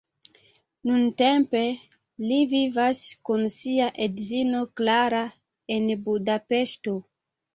Nuntempe li vivas kun sia edzino Klara en Budapeŝto.